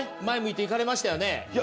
前を向いて行かれましたね。